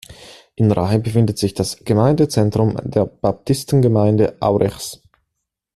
In Rahe befindet sich das Gemeindezentrum der Baptistengemeinde Aurichs.